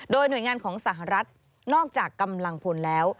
โดยหน่วยงานของสหรัฐนอกจากกำลังพลแล้ว